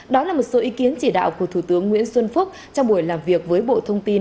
đó là một số ý kiến chỉ đạo của thủ tướng nguyễn xuân phúc trong buổi làm việc với bộ thông tin